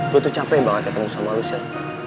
lo tuh capek banget ketemu sama lo sil